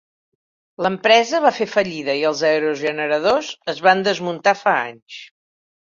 L'empresa va fer fallida i els aerogeneradors es van desmuntar fa anys.